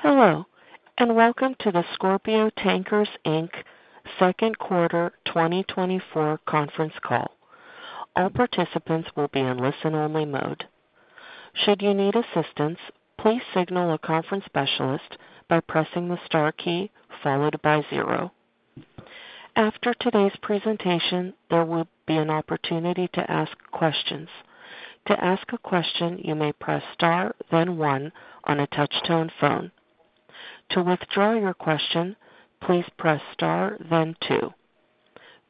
Hello, and welcome to the Scorpio Tankers Inc second quarter 2024 conference call. All participants will be in listen-only mode. Should you need assistance, please signal a conference specialist by pressing the star key followed by zero. After today's presentation, there will be an opportunity to ask questions. To ask a question, you may press star, then one on a touch-tone phone. To withdraw your question, please press star, then two.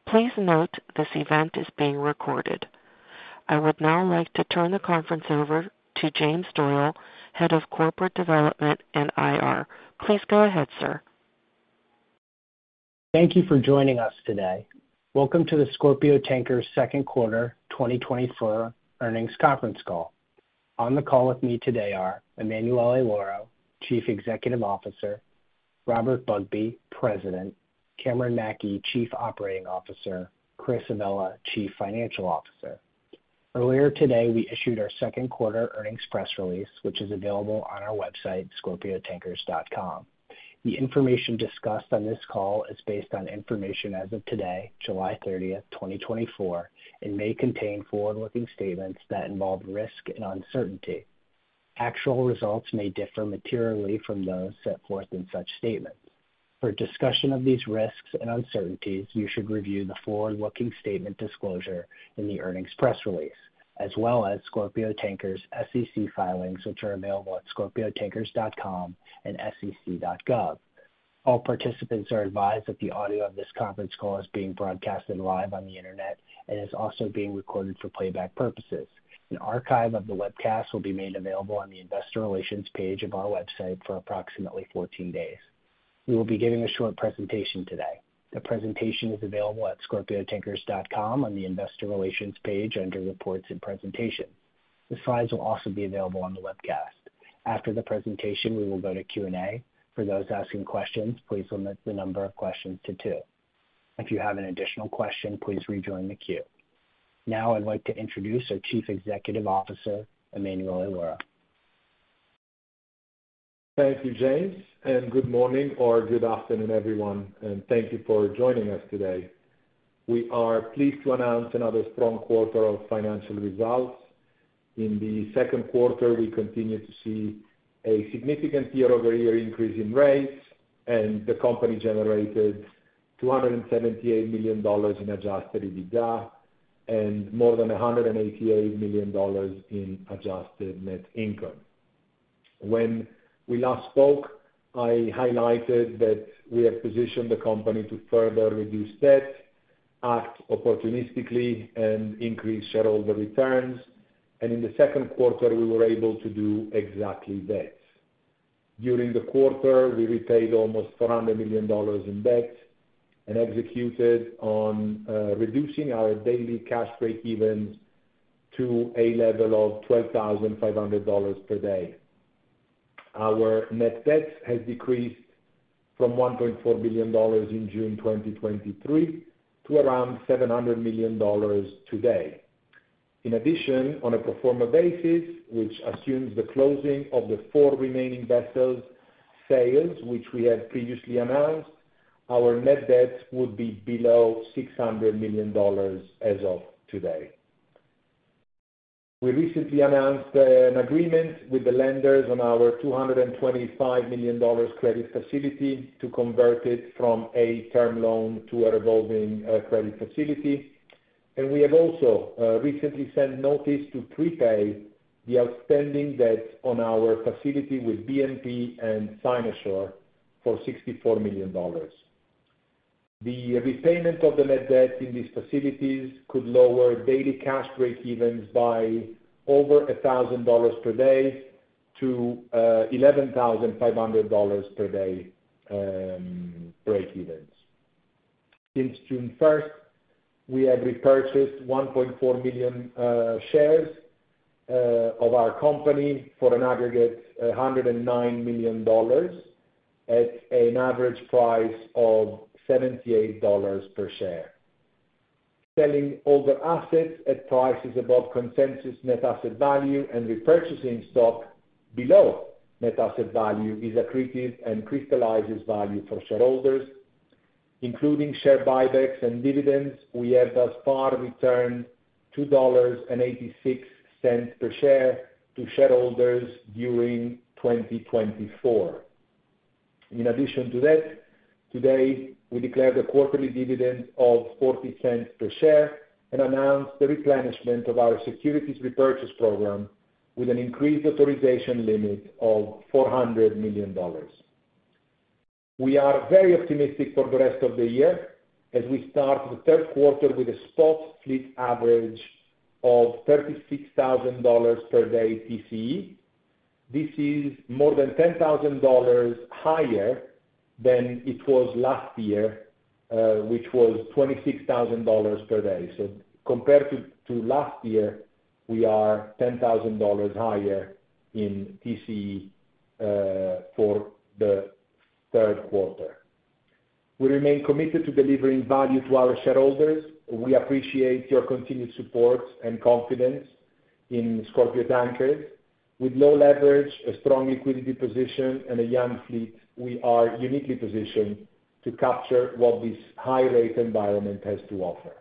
Please note this event is being recorded. I would now like to turn the conference over to James Doyle, Head of Corporate Development and IR. Please go ahead, sir. Thank you for joining us today. Welcome to the Scorpio Tankers second quarter 2024 earnings conference call. On the call with me today are Emanuele Lauro, Chief Executive Officer, Robert Bugbee, President, Cameron Mackey, Chief Operating Officer, and Chris Avella, Chief Financial Officer. Earlier today, we issued our second quarter earnings press release, which is available on our website, scorpiotankers.com. The information discussed on this call is based on information as of today, July 30th, 2024, and may contain forward-looking statements that involve risk and uncertainty. Actual results may differ materially from those set forth in such statements. For discussion of these risks and uncertainties, you should review the forward-looking statement disclosure in the earnings press release, as well as Scorpio Tankers SEC filings, which are available at scorpiotankers.com and sec.gov. All participants are advised that the audio of this conference call is being broadcasted live on the internet and is also being recorded for playback purposes. An archive of the webcast will be made available on the investor relations page of our website for approximately 14 days. We will be giving a short presentation today. The presentation is available at scorpiotankers.com on the investor relations page under reports and presentations. The slides will also be available on the webcast. After the presentation, we will go to Q&A. For those asking questions, please limit the number of questions to two. If you have an additional question, please rejoin the queue. Now, I'd like to introduce our Chief Executive Officer, Emanuele Lauro. Thank you, James, and good morning or good afternoon, everyone, and thank you for joining us today. We are pleased to announce another strong quarter of financial results. In the second quarter, we continue to see a significant year-over-year increase in rates, and the company generated $278 million in adjusted EBITDA and more than $188 million in adjusted net income. When we last spoke, I highlighted that we have positioned the company to further reduce debt, act opportunistically, and increase shareholder returns, and in the second quarter, we were able to do exactly that. During the quarter, we repaid almost $400 million in debt and executed on reducing our daily cash break-even to a level of $12,500 per day. Our net debt has decreased from $1.4 billion in June 2023 to around $700 million today. In addition, on a pro forma basis, which assumes the closing of the four remaining vessels' sales, which we had previously announced, our net debt would be below $600 million as of today. We recently announced an agreement with the lenders on our $225 million credit facility to convert it from a term loan to a revolving credit facility, and we have also recently sent notice to prepay the outstanding debt on our facility with BNP and Sinosure for $64 million. The repayment of the net debt in these facilities could lower daily cash break-even by over $1,000 per day to $11,500 per day breakevens. Since June 1st, we have repurchased 1.4 million shares of our company for an aggregate of $109 million at an average price of $78 per share. Selling older assets at prices above consensus net asset value and repurchasing stock below net asset value is accretive and crystallizes value for shareholders. Including share buybacks and dividends, we have thus far returned $2.86 per share to shareholders during 2024. In addition to that, today, we declared a quarterly dividend of $0.40 per share and announced the replenishment of our securities repurchase program with an increased authorization limit of $400 million. We are very optimistic for the rest of the year as we start the third quarter with a spot fleet average of $36,000 per day TCE. This is more than $10,000 higher than it was last year, which was $26,000 per day. So compared to last year, we are $10,000 higher in TCE for the third quarter. We remain committed to delivering value to our shareholders. We appreciate your continued support and confidence in Scorpio Tankers. With low leverage, a strong liquidity position, and a young fleet, we are uniquely positioned to capture what this high-rate environment has to offer.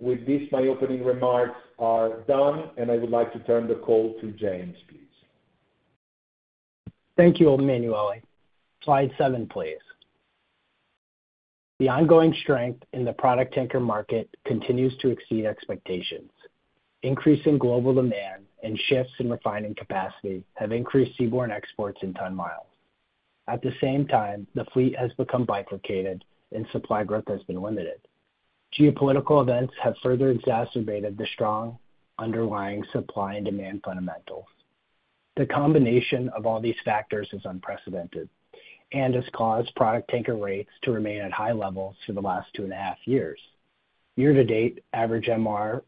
With this, my opening remarks are done, and I would like to turn the call to James, please. Thank you, Emanuele. Slide seven, please. The ongoing strength in the product tanker market continues to exceed expectations. Increasing global demand and shifts in refining capacity have increased seaborne exports in ton-miles. At the same time, the fleet has become bifurcated, and supply growth has been limited. Geopolitical events have further exacerbated the strong underlying supply and demand fundamentals. The combination of all these factors is unprecedented and has caused product tanker rates to remain at high levels for the last 2.5 years. Year-to-date, average MR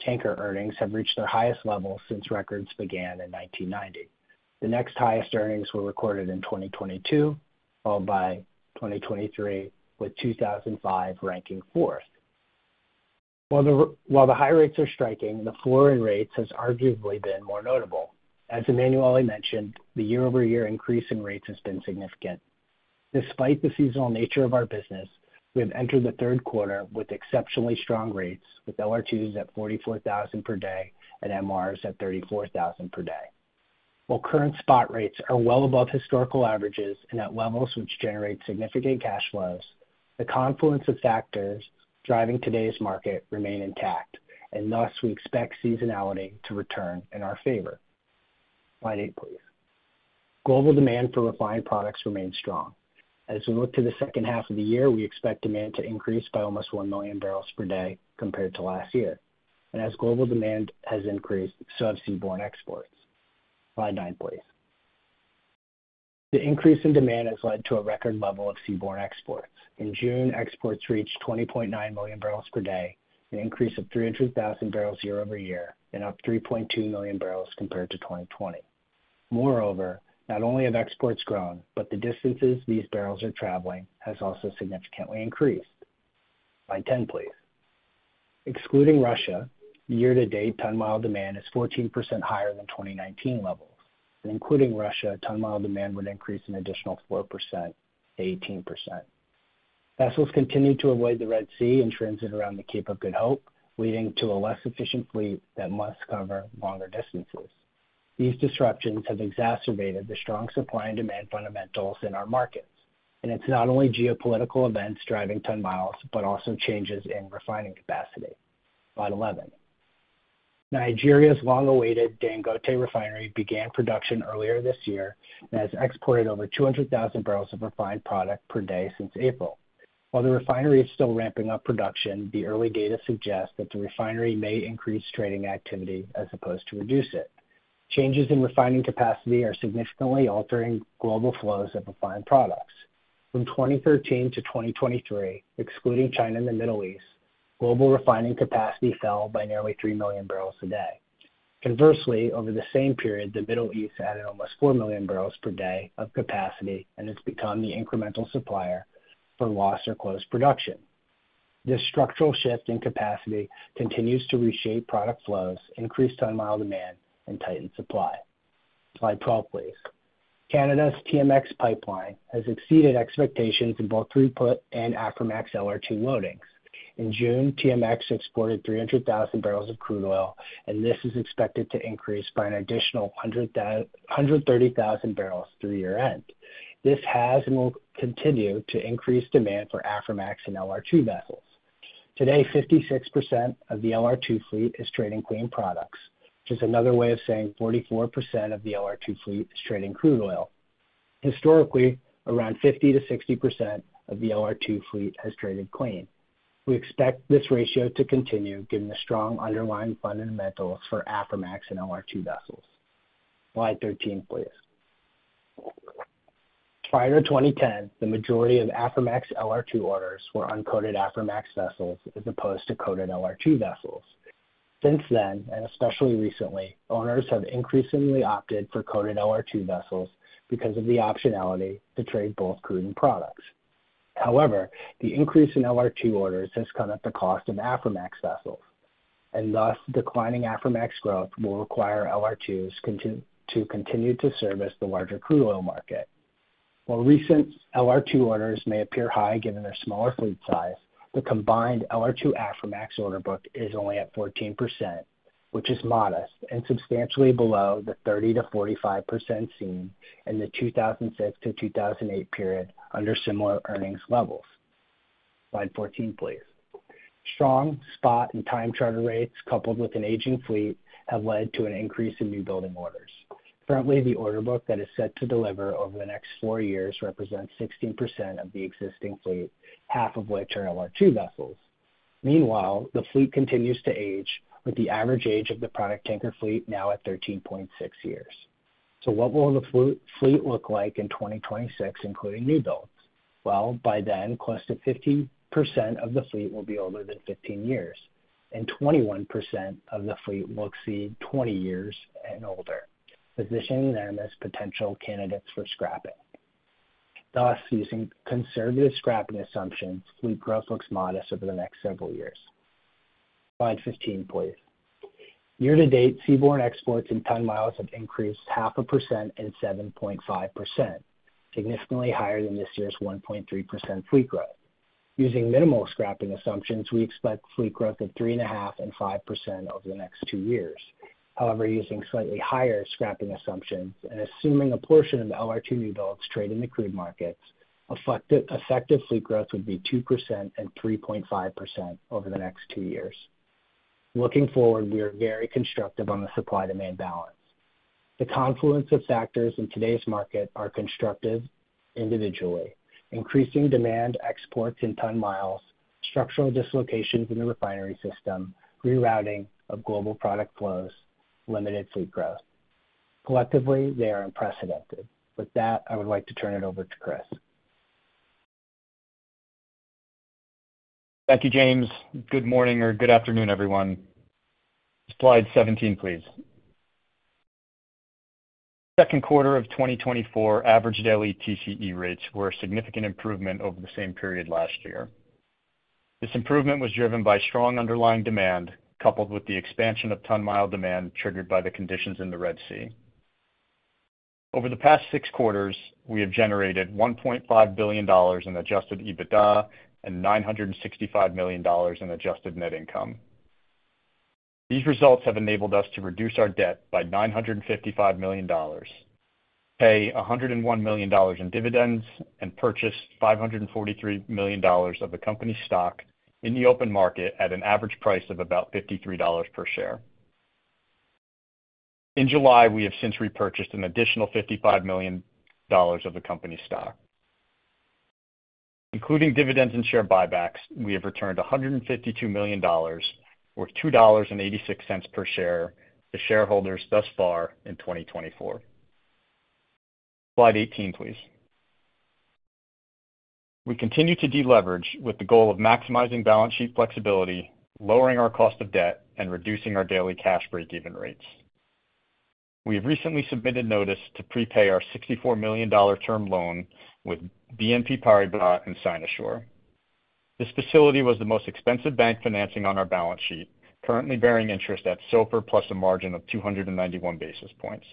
tanker earnings have reached their highest level since records began in 1990. The next highest earnings were recorded in 2022, followed by 2023, with 2005 ranking fourth. While the high rates are striking, the floor in rates has arguably been more notable. As Emanuele mentioned, the year-over-year increase in rates has been significant. Despite the seasonal nature of our business, we have entered the third quarter with exceptionally strong rates, with LR2s at 44,000 per day and MRs at 34,000 per day. While current spot rates are well above historical averages and at levels which generate significant cash flows, the confluence of factors driving today's market remains intact, and thus we expect seasonality to return in our favor. Slide eight, please. Global demand for refined products remains strong. As we look to the second half of the year, we expect demand to increase by almost 1 million barrels per day compared to last year. As global demand has increased, so have seaborne exports. Slide nine, please. The increase in demand has led to a record level of seaborne exports. In June, exports reached 20.9 million barrels per day, an increase of 300,000 barrels year-over-year, and up 3.2 million barrels compared to 2020. Moreover, not only have exports grown, but the distances these barrels are traveling have also significantly increased. Slide 10, please. Excluding Russia, year-to-date ton-mile demand is 14% higher than 2019 levels. Including Russia, ton-mile demand would increase an additional 4%-18%. Vessels continue to avoid the Red Sea and transit around the Cape of Good Hope, leading to a less efficient fleet that must cover longer distances. These disruptions have exacerbated the strong supply and demand fundamentals in our markets, and it's not only geopolitical events driving ton miles, but also changes in refining capacity. Slide 11. Nigeria's long-awaited Dangote refinery began production earlier this year and has exported over 200,000 barrels of refined product per day since April. While the refinery is still ramping up production, the early data suggest that the refinery may increase trading activity as opposed to reduce it. Changes in refining capacity are significantly altering global flows of refined products. From 2013-2023, excluding China and the Middle East, global refining capacity fell by nearly 3 million barrels a day. Conversely, over the same period, the Middle East added almost 4 million barrels per day of capacity and has become the incremental supplier for lost or closed production. This structural shift in capacity continues to reshape product flows, increase ton-mile demand, and tighten supply. Slide 12, please. Canada's TMX pipeline has exceeded expectations in both throughput and Aframax LR2 loadings. In June, TMX exported 300,000 barrels of crude oil, and this is expected to increase by an additional 130,000 barrels through year-end. This has and will continue to increase demand for Aframax and LR2 vessels. Today, 56% of the LR2 fleet is trading clean products, which is another way of saying 44% of the LR2 fleet is trading crude oil. Historically, around 50%-60% of the LR2 fleet has traded clean. We expect this ratio to continue given the strong underlying fundamentals for Aframax and LR2 vessels. Slide 13, please. Prior to 2010, the majority of Aframax LR2 orders were uncoated Aframax vessels as opposed to coated LR2 vessels. Since then, and especially recently, owners have increasingly opted for coated LR2 vessels because of the optionality to trade both crude and products. However, the increase in LR2 orders has cut up the cost of Aframax vessels, and thus declining Aframax growth will require LR2s to continue to service the larger crude oil market. While recent LR2 orders may appear high given their smaller fleet size, the combined LR2 Aframax order book is only at 14%, which is modest and substantially below the 30%-45% seen in the 2006-2008 period under similar earnings levels. Slide 14, please. Strong spot and time charter rates coupled with an aging fleet have led to an increase in new building orders. Currently, the order book that is set to deliver over the next four years represents 16% of the existing fleet, half of which are LR2 vessels. Meanwhile, the fleet continues to age, with the average age of the product tanker fleet now at 13.6 years. So what will the fleet look like in 2026, including new builds? Well, by then, close to 50% of the fleet will be older than 15 years, and 21% of the fleet will exceed 20 years and older, positioning them as potential candidates for scrapping. Thus, using conservative scrapping assumptions, fleet growth looks modest over the next several years. Slide 15, please. Year-to-date seaborne exports in ton-miles have increased 0.5% and 7.5%, significantly higher than this year's 1.3% fleet growth. Using minimal scrapping assumptions, we expect fleet growth of 3.5% and 5% over the next two years. However, using slightly higher scrapping assumptions and assuming a portion of LR2 new builds trade in the crude markets, effective fleet growth would be 2% and 3.5% over the next two years. Looking forward, we are very constructive on the supply-demand balance. The confluence of factors in today's market are constructive individually. Increasing demand, exports in ton miles, structural dislocations in the refinery system, rerouting of global product flows, limited fleet growth. Collectively, they are unprecedented. With that, I would like to turn it over to Chris. Thank you, James. Good morning or good afternoon, everyone. Slide 17, please. Second quarter of 2024 averaged daily TCE rates were a significant improvement over the same period last year. This improvement was driven by strong underlying demand coupled with the expansion of ton-mile demand triggered by the conditions in the Red Sea. Over the past six quarters, we have generated $1.5 billion in adjusted EBITDA and $965 million in adjusted net income. These results have enabled us to reduce our debt by $955 million, pay $101 million in dividends, and purchase $543 million of the company's stock in the open market at an average price of about $53 per share. In July, we have since repurchased an additional $55 million of the company's stock. Including dividends and share buybacks, we have returned $152 million, or $2.86 per share, to shareholders thus far in 2024. Slide 18, please. We continue to deleverage with the goal of maximizing balance sheet flexibility, lowering our cost of debt, and reducing our daily cash breakeven rates. We have recently submitted notice to prepay our $64 million term loan with BNP Paribas and Sinosure. This facility was the most expensive bank financing on our balance sheet, currently bearing interest at SOFR plus a margin of 291 basis points.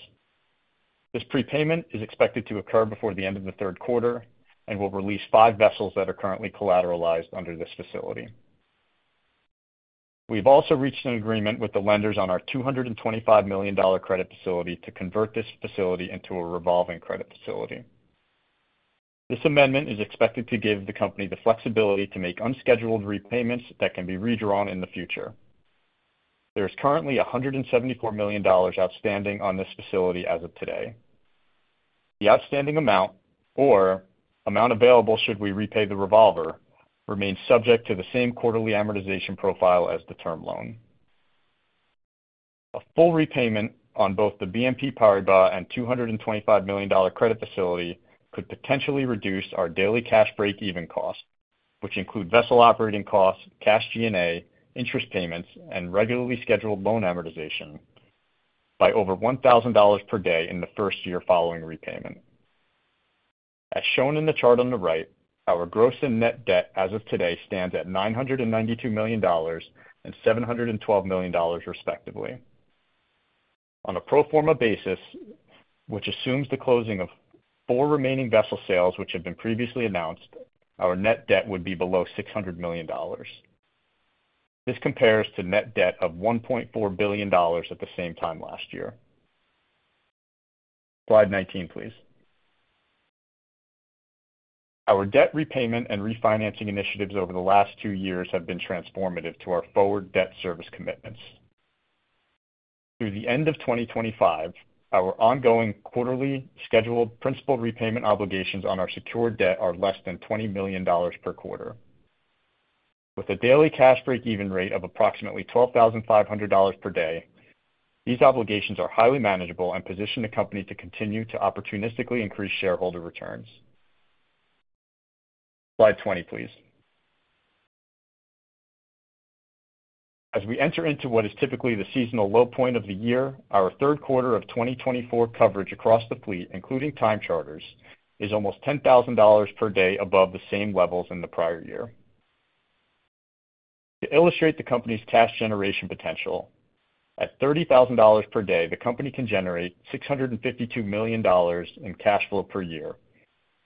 This prepayment is expected to occur before the end of the third quarter and will release five vessels that are currently collateralized under this facility. We have also reached an agreement with the lenders on our $225 million credit facility to convert this facility into a revolving credit facility. This amendment is expected to give the company the flexibility to make unscheduled repayments that can be redrawn in the future. There is currently $174 million outstanding on this facility as of today. The outstanding amount, or amount available should we repay the revolver, remains subject to the same quarterly amortization profile as the term loan. A full repayment on both the BNP Paribas and $225 million credit facility could potentially reduce our daily cash breakeven costs, which include vessel operating costs, cash G&A, interest payments, and regularly scheduled loan amortization by over $1,000 per day in the first year following repayment. As shown in the chart on the right, our gross and net debt as of today stands at $992 million and $712 million, respectively. On a pro forma basis, which assumes the closing of four remaining vessel sales which have been previously announced, our net debt would be below $600 million. This compares to net debt of $1.4 billion at the same time last year. Slide 19, please. Our debt repayment and refinancing initiatives over the last two years have been transformative to our forward debt service commitments. Through the end of 2025, our ongoing quarterly scheduled principal repayment obligations on our secured debt are less than $20 million per quarter. With a daily cash breakeven rate of approximately $12,500 per day, these obligations are highly manageable and position the company to continue to opportunistically increase shareholder returns. Slide 20, please. As we enter into what is typically the seasonal low point of the year, our third quarter of 2024 coverage across the fleet, including time charters, is almost $10,000 per day above the same levels in the prior year. To illustrate the company's cash generation potential, at $30,000 per day, the company can generate $652 million in cash flow per year.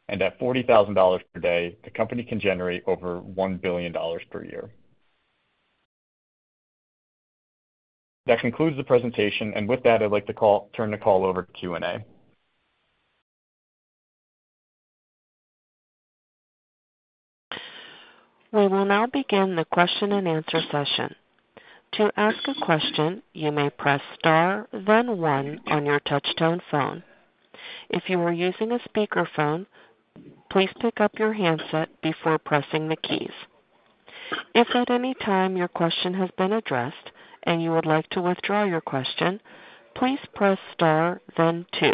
At $40,000 per day, the company can generate over $1 billion per year. That concludes the presentation, and with that, I'd like to turn the call over to Q&A. We will now begin the question-and-answer session. To ask a question, you may press star, then one on your touch-tone phone. If you are using a speakerphone, please pick up your handset before pressing the keys. If at any time your question has been addressed and you would like to withdraw your question, please press star, then two.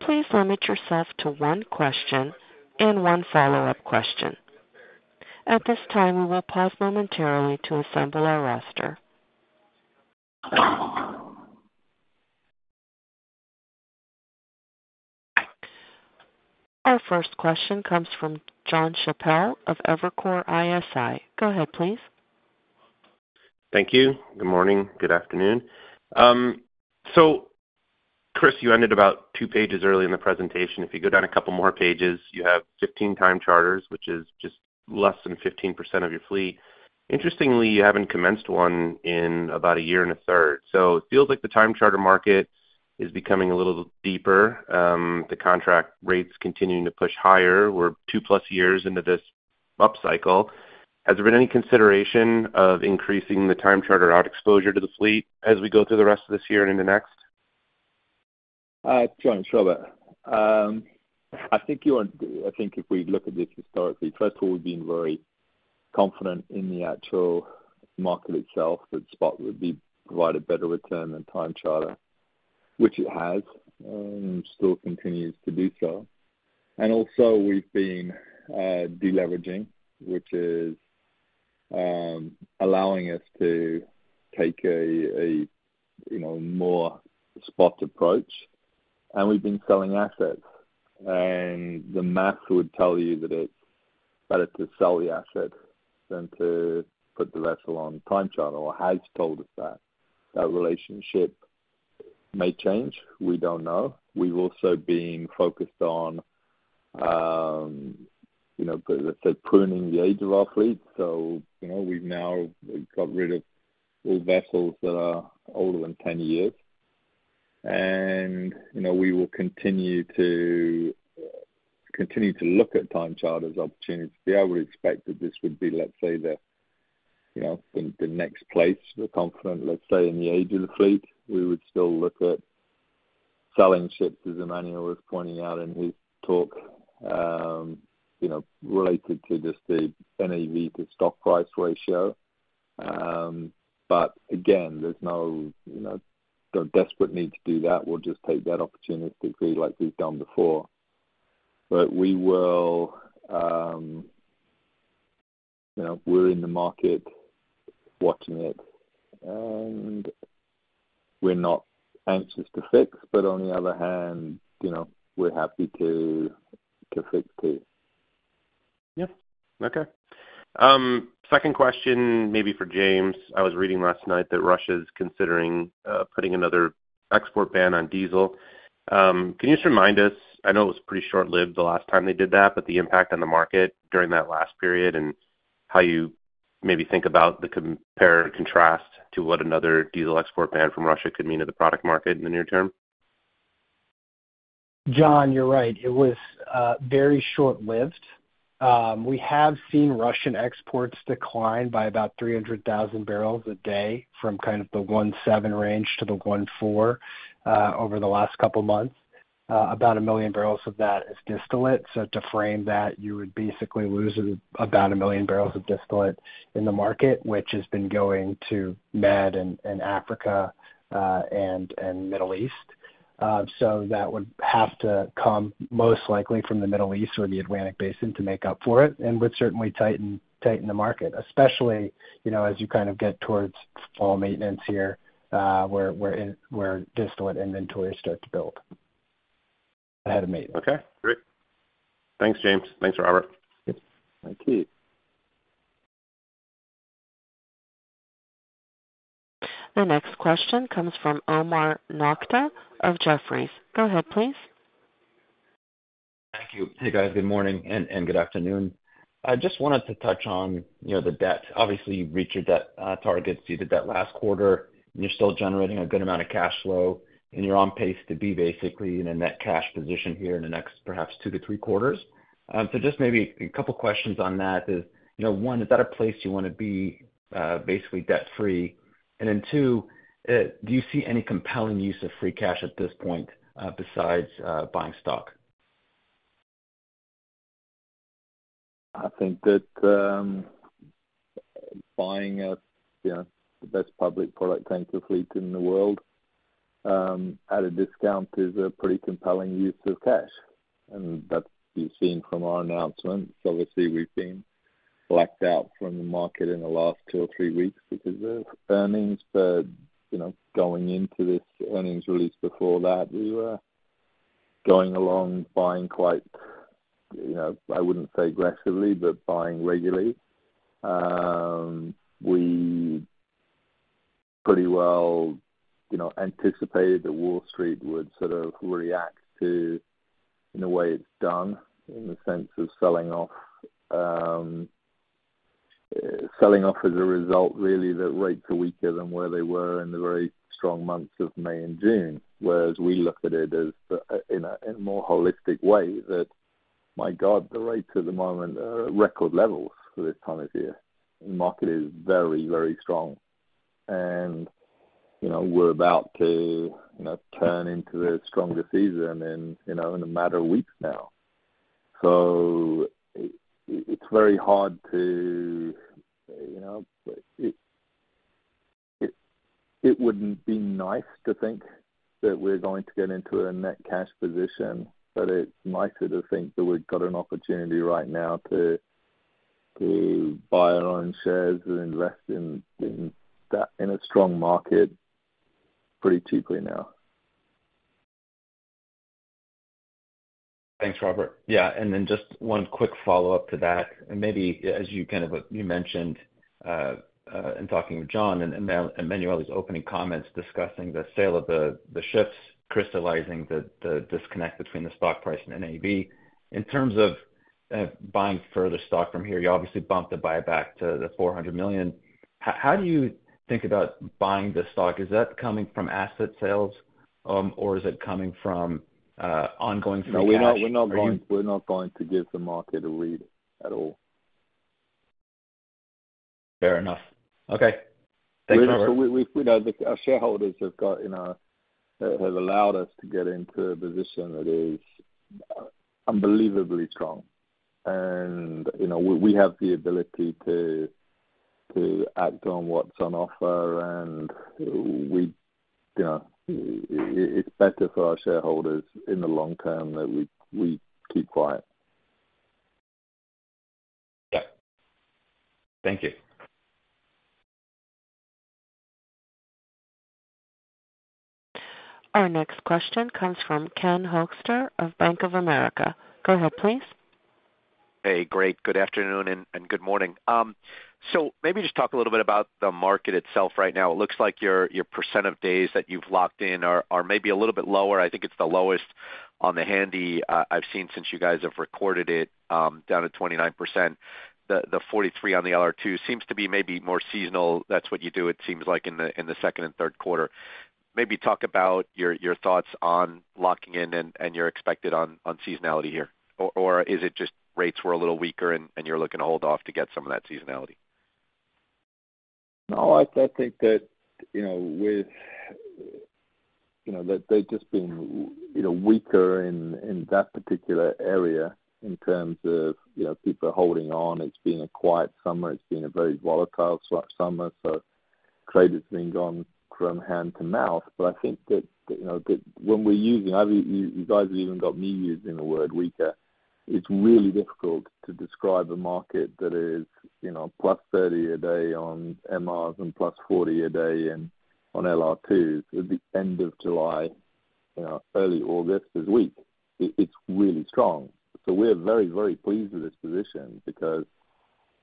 Please limit yourself to one question and one follow-up question. At this time, we will pause momentarily to assemble our roster. Our first question comes from Jon Chappell of Evercore ISI. Go ahead, please. Thank you. Good morning. Good afternoon. So, Chris, you ended about two pages early in the presentation. If you go down a couple more pages, you have 15 time charters, which is just less than 15% of your fleet. Interestingly, you haven't commenced one in about a year and a third. So it feels like the time charter market is becoming a little deeper. The contract rates continue to push higher. We're 2+ years into this upcycle. Has there been any consideration of increasing the time charter out exposure to the fleet as we go through the rest of this year and into next? Jon, it's Robert. I think if we look at this historically, first of all, we've been very confident in the actual market itself that spot would be providing better return than time charter, which it has and still continues to do so. And also, we've been deleveraging, which is allowing us to take a more spot approach. And we've been selling assets. And the math would tell you that it's better to sell the asset than to put the vessel on time charter, or has told us that. That relationship may change. We don't know. We've also been focused on, as I said, pruning the age of our fleet. So we've now got rid of all vessels that are older than 10 years. And we will continue to look at time charter's opportunities. We would expect that this would be, let's say, the next place. We're confident, let's say, in the age of the fleet. We would still look at selling ships, as Emanuele was pointing out in his talk related to just the NAV to stock price ratio. But again, there's no desperate need to do that. We'll just take that opportunistically like we've done before. But we're in the market watching it. And we're not anxious to fix, but on the other hand, we're happy to fix too. Yep. Okay. Second question, maybe for James. I was reading last night that Russia is considering putting another export ban on diesel. Can you just remind us? I know it was pretty short-lived the last time they did that, but the impact on the market during that last period and how you maybe think about the compare and contrast to what another diesel export ban from Russia could mean to the product market in the near term? Jon, you're right. It was very short-lived. We have seen Russian exports decline by about 300,000 barrels a day from kind of the 1.7 range to the 1.4 over the last couple of months. About 1 million barrels of that is distillate. So to frame that, you would basically lose about 1 million barrels of distillate in the market, which has been going to Med and Africa and Middle East. So that would have to come most likely from the Middle East or the Atlantic Basin to make up for it and would certainly tighten the market, especially as you kind of get towards fall maintenance here where distillate inventories start to build ahead of maintenance. Okay. Great. Thanks, James. Thanks, Robert. Thank you. The next question comes from Omar Nokta of Jefferies. Go ahead, please. Thank you. Hey, guys. Good morning and good afternoon. I just wanted to touch on the debt. Obviously, you've reached your debt targets. You did that last quarter, and you're still generating a good amount of cash flow, and you're on pace to be basically in a net cash position here in the next 2-3 quarters. So just maybe a couple of questions on that. One, is that a place you want to be basically debt-free? And then two, do you see any compelling use of free cash at this point besides buying stock? I think that buying the best public product to enter the fleet in the world at a discount is a pretty compelling use of cash. That's what you've seen from our announcement. Obviously, we've been blacked out from the market in the last 2 or 3 weeks because of earnings. But going into this earnings release before that, we were going along buying quite—I wouldn't say aggressively, but buying regularly. We pretty well anticipated that Wall Street would sort of react to, in a way, it's done in the sense of selling off as a result, really, that rates are weaker than where they were in the very strong months of May and June. Whereas we look at it in a more holistic way that, my God, the rates at the moment are at record levels for this time of year. The market is very, very strong. We're about to turn into the strongest season in a matter of weeks now. It's very hard to, it wouldn't be nice to think that we're going to get into a net cash position, but it's nicer to think that we've got an opportunity right now to buy our own shares and invest in a strong market pretty cheaply now. Thanks, Robert. Yeah. And then just one quick follow-up to that. And maybe, as you kind of mentioned in talking with Jon and Emmanuel's opening comments discussing the sale of the ships, crystallizing the disconnect between the stock price and NAV. In terms of buying further stock from here, you obviously bumped the buyback to the $400 million. How do you think about buying the stock? Is that coming from asset sales, or is it coming from ongoing free cash? We're not going to give the market a read at all. Fair enough. Okay. Thanks, Robert. Our shareholders have allowed us to get into a position that is unbelievably strong. We have the ability to act on what's on offer. It's better for our shareholders in the long term that we keep quiet. Yep. Thank you. Our next question comes from Ken Hoexter of Bank of America. Go ahead, please. Hey, great. Good afternoon and good morning. So maybe just talk a little bit about the market itself right now. It looks like your percent of days that you've locked in are maybe a little bit lower. I think it's the lowest on the handy I've seen since you guys have recorded it, down to 29%. The 43% on the LR2 seems to be maybe more seasonal. That's what you do, it seems like, in the second and third quarter. Maybe talk about your thoughts on locking in and your expected on seasonality here. Or is it just rates were a little weaker and you're looking to hold off to get some of that seasonality? No, I think that they've just been weaker in that particular area in terms of people are holding on. It's been a quiet summer. It's been a very volatile summer. So trade has been gone from hand to mouth. But I think that when we're using, you guys have even got me using the word weaker, it's really difficult to describe a market that is +$30,000 a day on MRs and +$40,000 a day on LR2s. At the end of July, early August is weak. It's really strong. So we're very, very pleased with this position because,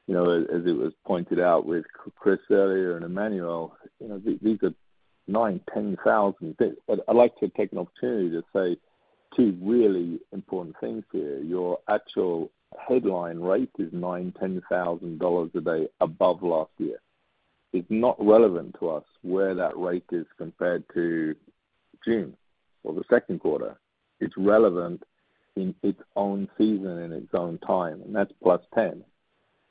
as it was pointed out with Chris earlier and Emanuele, these are $9,000-$10,000. I'd like to take an opportunity to say two really important things here. Your actual headline rate is $9,000-$10,000 a day above last year. It's not relevant to us where that rate is compared to June or the second quarter. It's relevant in its own season and its own time. That's +10.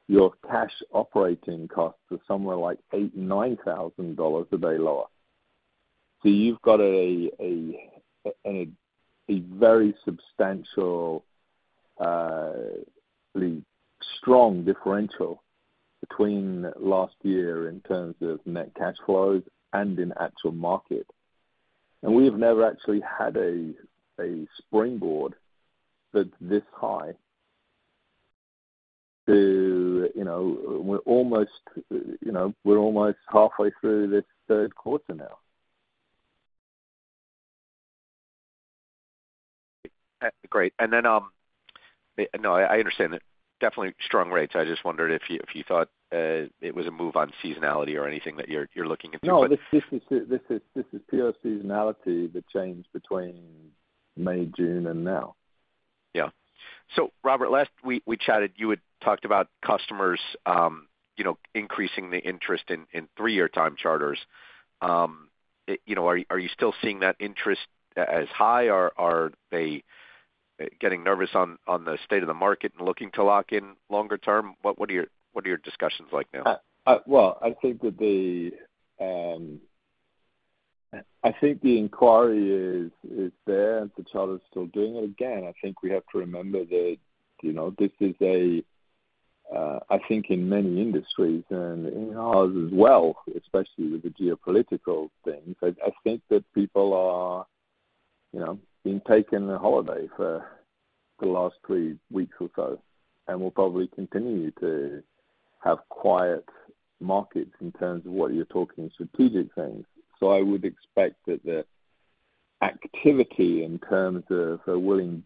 Your cash operating costs are somewhere like $8,000-$9,000 a day lower. You've got a very substantially strong differential between last year in terms of net cash flows and in actual market. We have never actually had a springboard that's this high. We're almost halfway through this third quarter now. Great. And then, no, I understand. Definitely strong rates. I just wondered if you thought it was a move on seasonality or anything that you're looking into. No, this is pure seasonality, the change between May, June, and now. Yeah. So, Robert, last we chatted, you had talked about customers increasing the interest in three-year time charters. Are you still seeing that interest as high? Are they getting nervous on the state of the market and looking to lock in longer term? What are your discussions like now? Well, I think that the inquiry is there, and the charter's still doing it. Again, I think we have to remember that this is a—I think in many industries and in ours as well, especially with the geopolitical things. I think that people are being taken on holiday for the last three weeks or so. And we'll probably continue to have quiet markets in terms of what you're talking strategic things. So I would expect that the activity in terms of a willing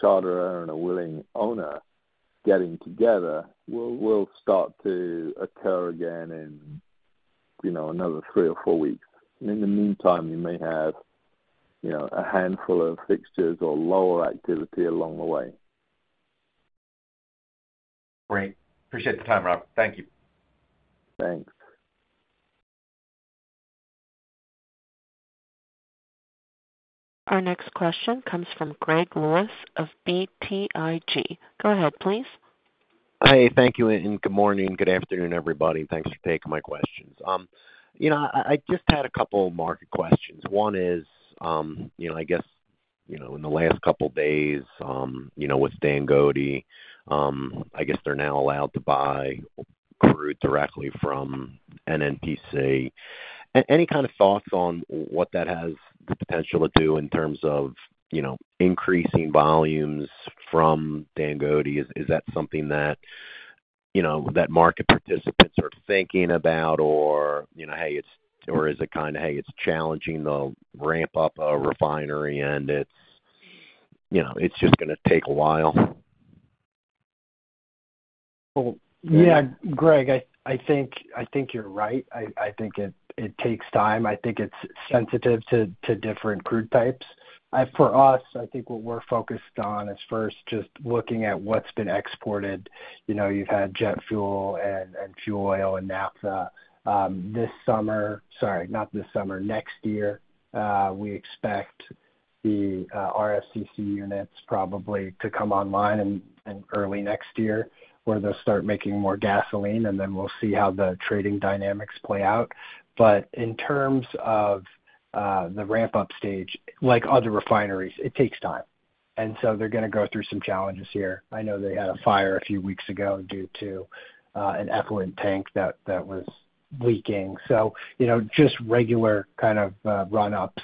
charterer and a willing owner getting together will start to occur again in another three or four weeks. And in the meantime, you may have a handful of fixtures or lower activity along the way. Great. Appreciate the time, Robert. Thank you. Thanks. Our next question comes from Greg Lewis of BTIG. Go ahead, please. Hi. Thank you. Good morning and good afternoon, everybody. Thanks for taking my questions. I just had a couple of market questions. One is, I guess, in the last couple of days with Dangote, I guess they're now allowed to buy crude directly from NNPC. Any kind of thoughts on what that has the potential to do in terms of increasing volumes from Dangote? Is that something that market participants are thinking about? Or is it kind of, hey, it's challenging the ramp-up of a refinery, and it's just going to take a while? Yeah. Greg, I think you're right. I think it takes time. I think it's sensitive to different crude types. For us, I think what we're focused on is first just looking at what's been exported. You've had jet fuel and fuel oil and naphtha. This summer—sorry, not this summer. Next year, we expect the RFCC units probably to come online in early next year where they'll start making more gasoline, and then we'll see how the trading dynamics play out. But in terms of the ramp-up stage, like other refineries, it takes time. And so they're going to go through some challenges here. I know they had a fire a few weeks ago due to an effluent tank that was leaking. So just regular kind of run-ups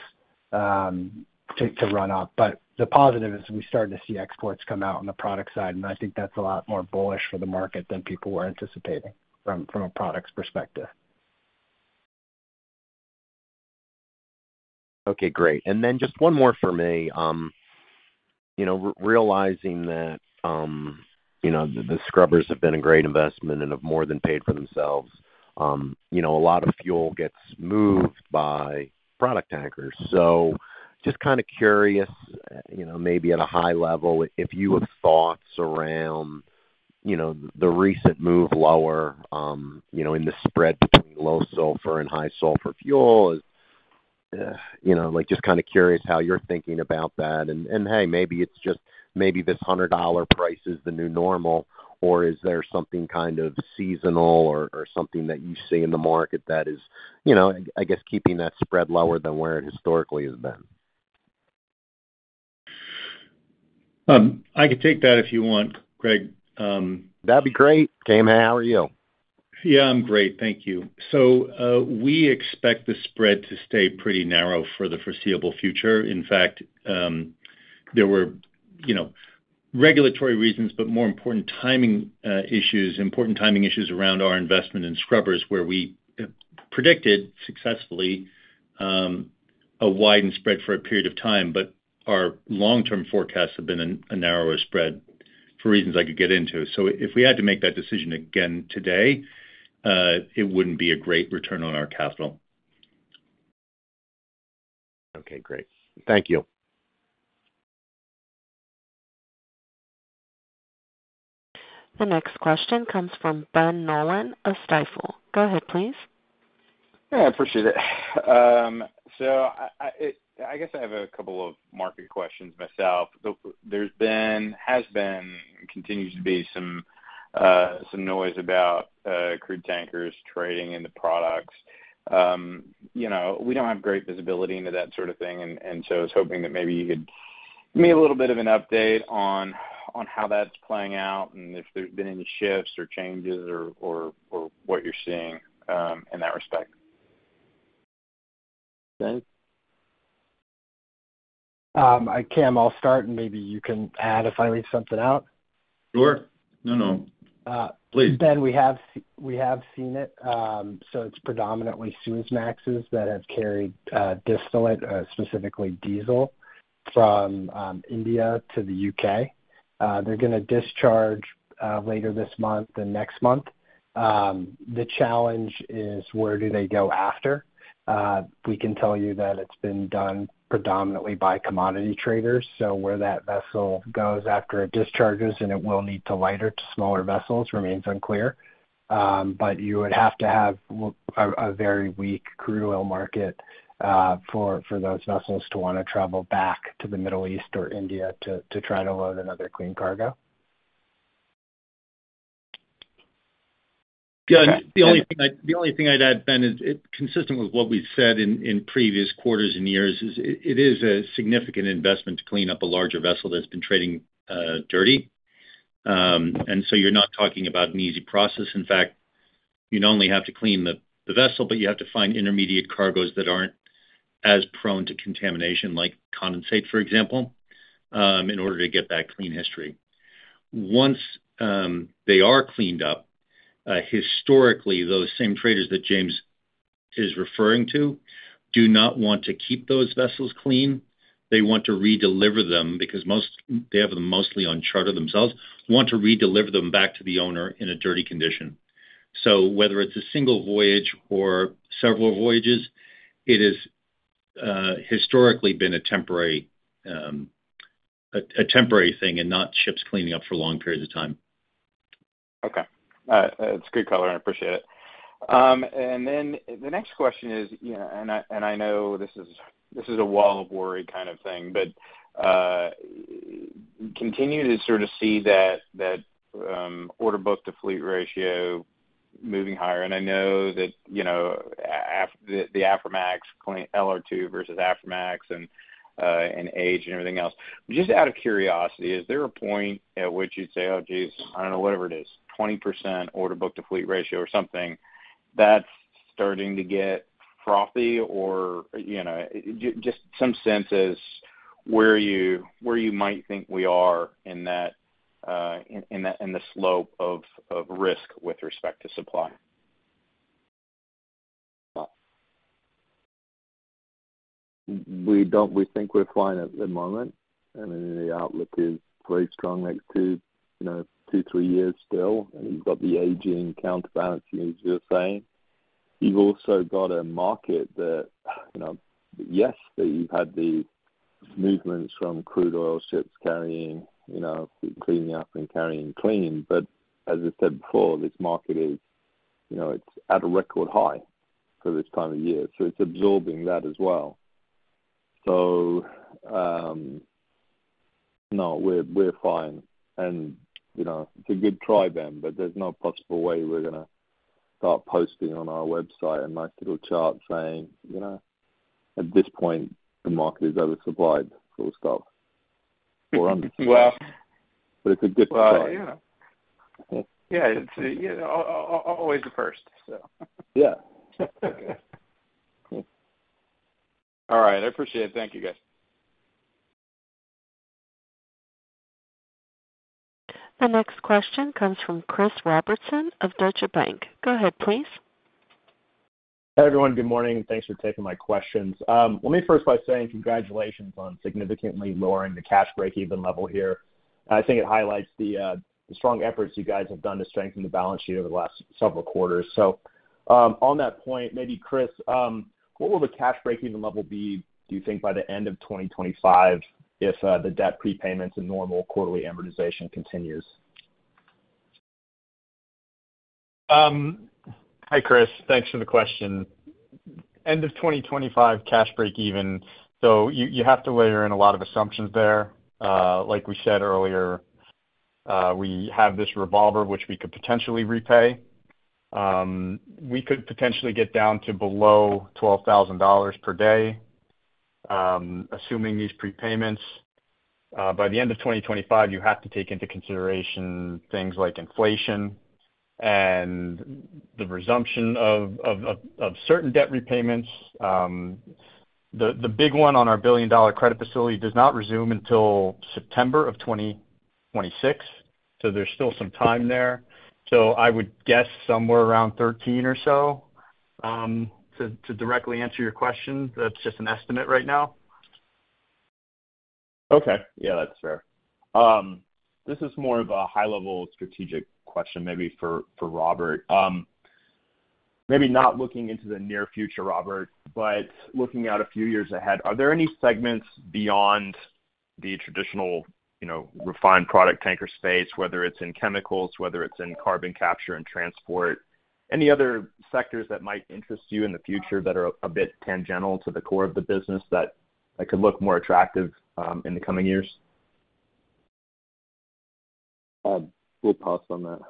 to run-up. But the positive is we started to see exports come out on the product side, and I think that's a lot more bullish for the market than people were anticipating from a product's perspective. Okay. Great. And then just one more for me. Realizing that the scrubbers have been a great investment and have more than paid for themselves, a lot of fuel gets moved by product tankers. So just kind of curious, maybe at a high level, if you have thoughts around the recent move lower in the spread between low sulfur and high sulfur fuel. Just kind of curious how you're thinking about that. And hey, maybe this $100 price is the new normal, or is there something kind of seasonal or something that you see in the market that is, I guess, keeping that spread lower than where it historically has been? I could take that if you want, Greg. That'd be great. Cam, how are you? Yeah, I'm great. Thank you. So we expect the spread to stay pretty narrow for the foreseeable future. In fact, there were regulatory reasons, but more important timing issues around our investment in scrubbers where we predicted successfully a widened spread for a period of time. But our long-term forecasts have been a narrower spread for reasons I could get into. So if we had to make that decision again today, it wouldn't be a great return on our capital. Okay. Great. Thank you. The next question comes from Ben Nolan at Stifel. Go ahead, please. Yeah. I appreciate it. So I guess I have a couple of market questions myself. There's been and continues to be some noise about crude tankers trading into products. We don't have great visibility into that sort of thing. And so I was hoping that maybe you could give me a little bit of an update on how that's playing out and if there's been any shifts or changes or what you're seeing in that respect. Okay. Cam, I'll start, and maybe you can add if I leave something out. Sure. No, no. Please. Ben, we have seen it. So it's predominantly Suezmaxes that have carried distillate, specifically diesel, from India to the U.K. They're going to discharge later this month and next month. The challenge is where do they go after? We can tell you that it's been done predominantly by commodity traders. So where that vessel goes after it discharges and it will need to lighter to smaller vessels remains unclear. But you would have to have a very weak crude oil market for those vessels to want to travel back to the Middle East or India to try to load another clean cargo. Yeah. The only thing I'd add, Ben, is consistent with what we've said in previous quarters and years, it is a significant investment to clean up a larger vessel that's been trading dirty. And so you're not talking about an easy process. In fact, you'd only have to clean the vessel, but you have to find intermediate cargoes that aren't as prone to contamination, like condensate, for example, in order to get that clean history. Once they are cleaned up, historically, those same traders that James is referring to do not want to keep those vessels clean. They want to redeliver them because they have them mostly on charter themselves, want to redeliver them back to the owner in a dirty condition. So whether it's a single voyage or several voyages, it has historically been a temporary thing and not ships cleaning up for long periods of time. Okay. That's good color. I appreciate it. And then the next question is, and I know this is a wall of worry kind of thing, but continue to sort of see that order book to fleet ratio moving higher. And I know that the Aframax, LR2 versus Aframax and age and everything else. Just out of curiosity, is there a point at which you'd say, "Oh, geez, I don't know, whatever it is, 20% order book to fleet ratio or something?" That's starting to get frothy or just some sense as where you might think we are in the slope of risk with respect to supply? We think we're fine at the moment. I mean, the outlook is very strong next 2, 2, 3 years still. And you've got the aging counterbalancing, as you're saying. You've also got a market that, yes, that you've had these movements from crude oil ships cleaning up and carrying clean. But as I said before, this market is at a record high for this time of year. So it's absorbing that as well. So no, we're fine. And it's a good try, Ben, but there's no possible way we're going to start posting on our website a nice little chart saying, "At this point, the market is oversupplied," full stop, or undersupplied. But it's a good start. Well, yeah. Yeah. It's always the first, so. Yeah. All right. I appreciate it. Thank you, guys. The next question comes from Chris Robertson of Deutsche Bank. Go ahead, please. Hey, everyone. Good morning. Thanks for taking my questions. Let me first by saying congratulations on significantly lowering the cash break-even level here. I think it highlights the strong efforts you guys have done to strengthen the balance sheet over the last several quarters. So on that point, maybe, Chris, what will the cash break-even level be, do you think, by the end of 2025 if the debt prepayments and normal quarterly amortization continues? Hey, Chris. Thanks for the question. End of 2025, cash break-even. So you have to layer in a lot of assumptions there. Like we said earlier, we have this revolver, which we could potentially repay. We could potentially get down to below $12,000 per day, assuming these prepayments. By the end of 2025, you have to take into consideration things like inflation and the resumption of certain debt repayments. The big one on our billion-dollar credit facility does not resume until September of 2026. So there's still some time there. So I would guess somewhere around 13 or so to directly answer your question. That's just an estimate right now. Okay. Yeah, that's fair. This is more of a high-level strategic question, maybe for Robert. Maybe not looking into the near future, Robert, but looking out a few years ahead. Are there any segments beyond the traditional refined product tanker space, whether it's in chemicals, whether it's in carbon capture and transport? Any other sectors that might interest you in the future that are a bit tangential to the core of the business that could look more attractive in the coming years? We'll pass on that.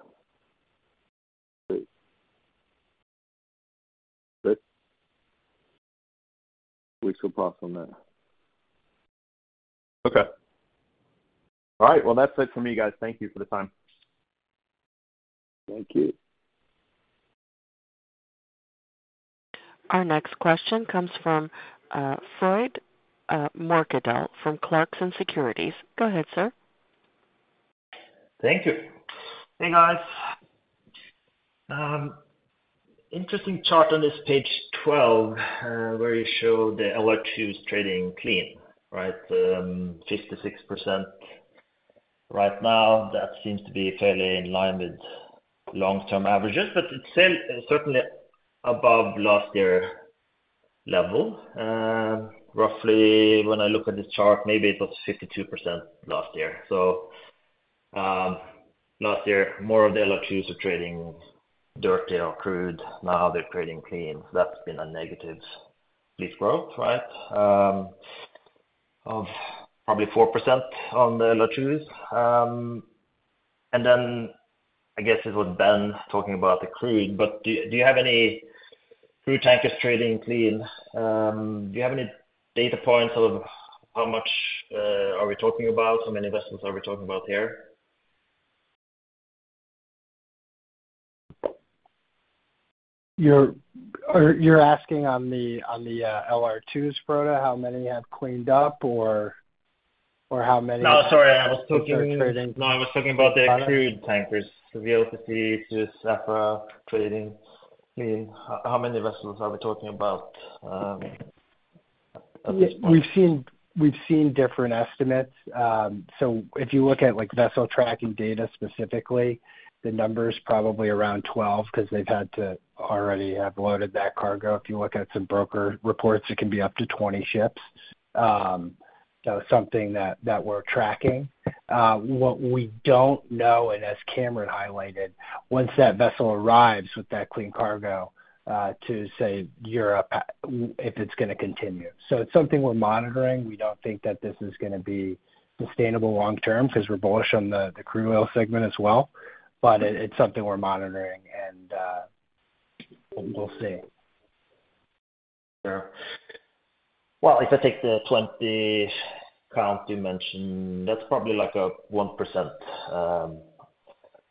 We shall pass on that. Okay. All right. Well, that's it from me, guys. Thank you for the time. Thank you. Our next question comes from Frode Mørkedal from Clarksons Securities. Go ahead, sir. Thank you. Hey, guys. Interesting chart on this page 12 where you show the LR2s trading clean, right? 56% right now. That seems to be fairly in line with long-term averages, but it's certainly above last year's level. Roughly, when I look at this chart, maybe it was 52% last year. So last year, more of the LR2s were trading dirty or crude. Now they're trading clean. So that's been a negative fleet growth, right, of probably 4% on the LR2s. And then I guess it was Ben talking about the crude, but do you have any crude tankers trading clean? Do you have any data points of how much are we talking about? How many vessels are we talking about here? You're asking on the LR2s, Frode, how many have cleaned up or how many. No, sorry. I was talking. No, I was talking about the crude tankers. So the VLCCs, Suezmax, Aframax trading clean. How many vessels are we talking about? We've seen different estimates. So if you look at vessel tracking data specifically, the number is probably around 12 because they've had to already have loaded that cargo. If you look at some broker reports, it can be up to 20 ships. That was something that we're tracking. What we don't know, and as Cameron highlighted, once that vessel arrives with that clean cargo to say Europe, if it's going to continue. So it's something we're monitoring. We don't think that this is going to be sustainable long-term because we're bullish on the crude oil segment as well. But it's something we're monitoring, and we'll see. Well, if I take the 20 count you mentioned, that's probably like a 1%.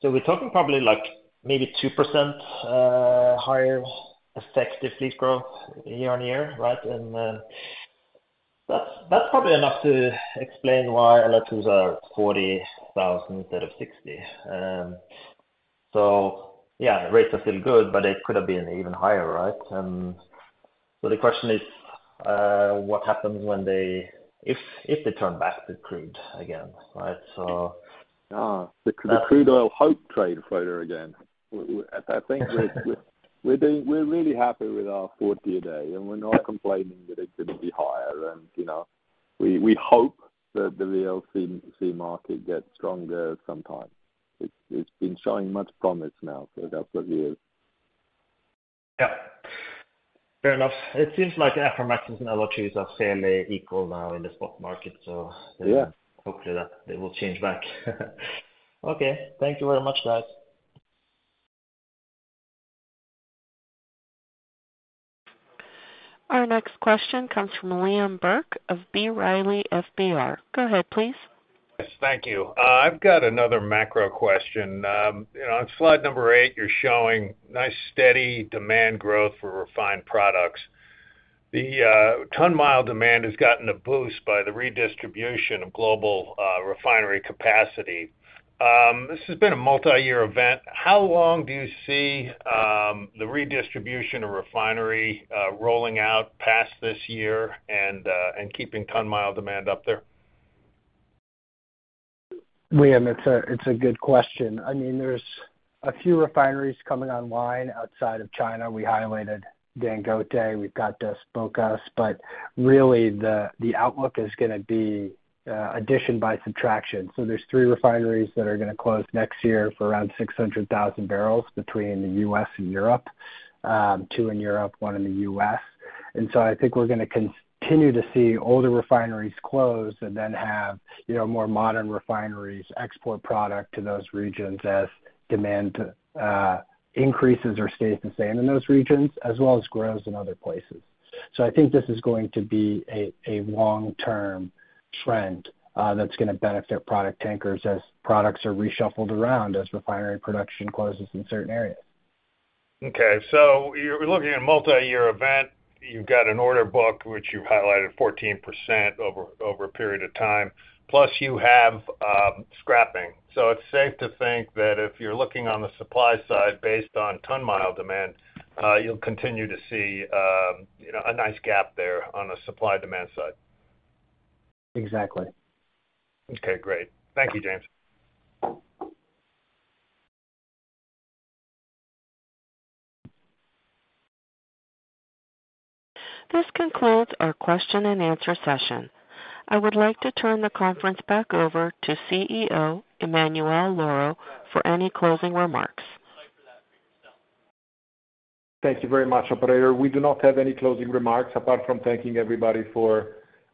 So we're talking probably like maybe 2% higher effective fleet growth year-on-year, right? And that's probably enough to explain why LR2s are $40,000 instead of $60,000. So yeah, rates are still good, but they could have been even higher, right? And so the question is what happens if they turn back to crude again, right? The crude oil hope trade further again. I think we're really happy with our $40 a day, and we're not complaining that it couldn't be higher. We hope that the Red Sea market gets stronger sometime. It's been showing much promise now for a couple of years. Yeah. Fair enough. It seems like Aframax and LR2s are fairly equal now in the spot market. So hopefully that will change back. Okay. Thank you very much, guys. Our next question comes from Liam Burke of B. Riley FBR. Go ahead, please. Yes. Thank you. I've got another macro question. On slide number eight, you're showing nice steady demand growth for refined products. The ton-mile demand has gotten a boost by the redistribution of global refinery capacity. This has been a multi-year event. How long do you see the redistribution of refinery rolling out past this year and keeping ton-mile demand up there? Liam, it's a good question. I mean, there's a few refineries coming online outside of China. We highlighted Dangote. We've got Dos Bocas. But really, the outlook is going to be addition by subtraction. So there's three refineries that are going to close next year for around 600,000 barrels between the U.S. and Europe. Two in Europe, one in the U.S. And so I think we're going to continue to see older refineries close and then have more modern refineries export product to those regions as demand increases or stays the same in those regions, as well as grows in other places. So I think this is going to be a long-term trend that's going to benefit product tankers as products are reshuffled around as refinery production closes in certain areas. Okay. So you're looking at a multi-year event. You've got an order book, which you've highlighted 14% over a period of time. Plus, you have scrapping. So it's safe to think that if you're looking on the supply side based on ton-mile demand, you'll continue to see a nice gap there on the supply-demand side. Exactly. Okay. Great. Thank you, James. This concludes our question-and-answer session. I would like to turn the conference back over to CEO Emanuele Lauro for any closing remarks. Thank you very much, Operator. We do not have any closing remarks apart from thanking everybody for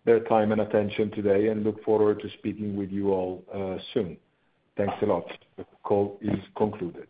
their time and attention today and look forward to speaking with you all soon. Thanks a lot. The call is concluded.